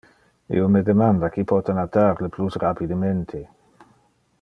Io me demanda qui pote natar le plus rapidemente.